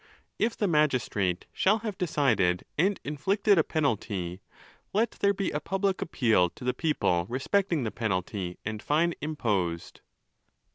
If the magistrate shall have decided, and inflicted a penalty, let there be a public appeal to the people respecting the penalty and fine imposed.